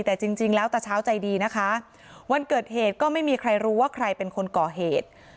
แต่จริงแล้วตาเช้าใจดีนะคะวันเกิดเหตุก็ไม่มีใครรู้ว่าใครเป็นคนก่อเหตุ